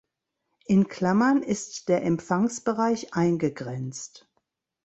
In Klammern ist der Empfangsbereich eingegrenzt.